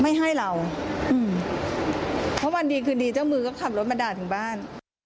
ไม่ให้เรามานี่หวัดดีคือนีเจ้ามือกำลังคันล้อมินด้านบ้าน